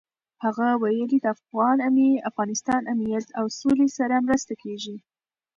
هغه ویلي، د افغانستان امنیت او سولې سره مرسته کېږي.